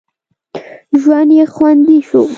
ژوند یې خوندي شو.